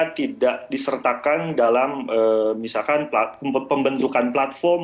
tidak disertakan dalam misalkan pembentukan platform